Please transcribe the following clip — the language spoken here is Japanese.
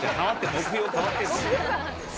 目標が変わってる」